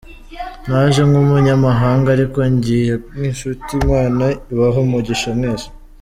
Naje nk’Umunyamahanga ariko ngiye nk’inshuti, Imana ibahe umugisha mwese.